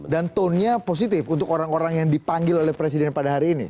dan tonenya positif untuk orang orang yang dipanggil oleh presiden pada hari ini